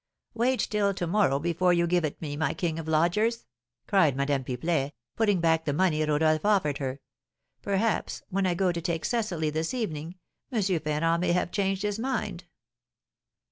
"Wait till to morrow before you give it me, my king of lodgers!" cried Madame Pipelet, putting back the money Rodolph offered her; "perhaps, when I go to take Cecily this evening, M. Ferrand may have changed his mind."